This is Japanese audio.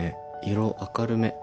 色明るめ